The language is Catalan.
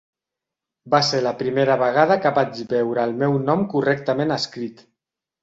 Va ser la primera vegada que vaig veure el meu nom correctament escrit.